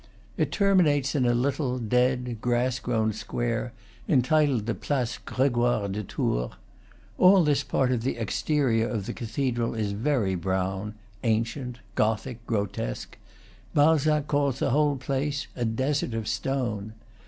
It terminates in a little, dead, grass grown square entitled the Place Gregoire de Tours. All this part of the exterior of the cathe dral is very brown, ancient, Gothic, grotesque; Balzac calls the whole place "a desert of stone."